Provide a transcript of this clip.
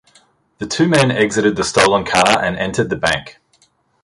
The two men exited the stolen car and entered the bank.